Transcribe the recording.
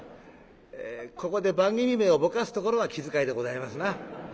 ここで番組名をぼかすところは気遣いでございますな。